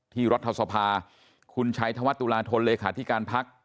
รัฐสภาคุณชัยธวัฒนตุลาธนเลขาธิการพัก